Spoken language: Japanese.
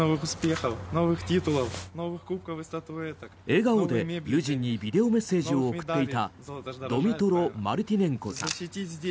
笑顔で友人にビデオメッセージを送っていたドミトロ・マルティネンコさん。